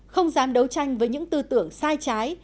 không dám đấu tranh với những tư tưởng sai trái